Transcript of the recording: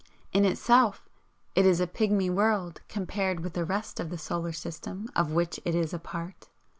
In itself it is a pigmy world compared with the rest of the solar system of which it is a part.